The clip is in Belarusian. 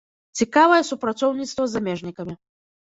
Цікавае супрацоўніцтва з замежнікамі.